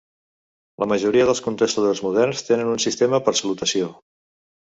La majoria dels contestadors moderns tenen un sistema per salutació.